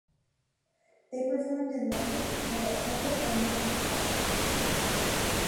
They performed in London and at several venues in Scotland.